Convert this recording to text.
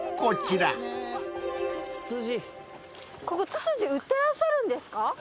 ここツツジ売ってらっしゃるんですか？